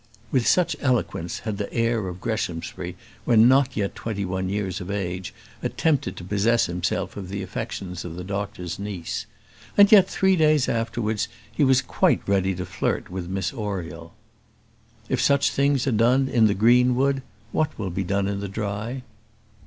With such eloquence had the heir of Greshamsbury, when not yet twenty one years of age, attempted to possess himself of the affections of the doctor's niece. And yet three days afterwards he was quite ready to flirt with Miss Oriel. If such things are done in the green wood, what will be done in the dry?